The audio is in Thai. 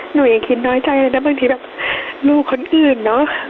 หนูยังคิดน้อยใจเลยนะบางทีแบบลูกคนอื่นเนอะ